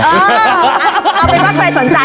ถ้าเป็นว่าใครสนใจก็ติดต่อช่องนั้นต่างนะครับ